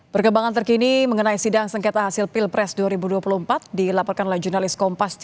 perkembangan terkini mengenai sidang sengketa hasil pilpres dua ribu dua puluh empat dilaporkan oleh jurnalis kompas